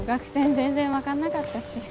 全然分かんなかったし。